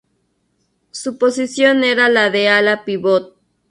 Su posición era la de ala-pívot.